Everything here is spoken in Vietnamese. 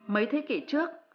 mấy thế kỷ trước